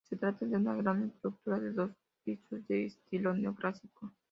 Se trata de una gran estructura de dos pisos de estilo neoclásico.